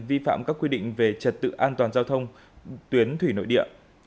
vi phạm các quy định về trật tự an toàn giao thông tuyến thủy nội địa